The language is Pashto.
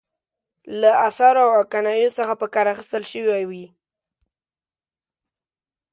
له استعارو او کنایو څخه پکې کار اخیستل شوی وي.